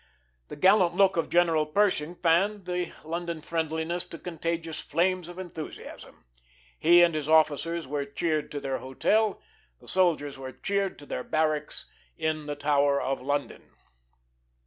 The gallant look of General Pershing fanned the London friendliness to contagious flames of enthusiasm. He and his officers were cheered to their hotel, the soldiers were cheered to their barracks in the Tower of London.